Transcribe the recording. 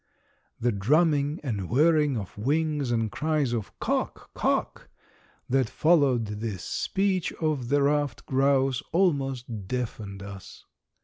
The drumming and whirring of wings and cries of "Cock, cock!" that followed this speech of the ruffed grouse almost deafened us.